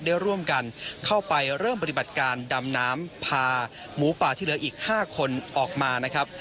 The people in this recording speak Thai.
ได้ร่วมกันเข้าไปเริ่มปฏิบัติการดำน้ำพาหมูป่าที่เหลืออีก๕คนออกมานะครับ